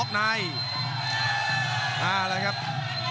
คมทุกลูกจริงครับโอ้โห